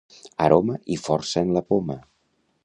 Aroma i força en la poma!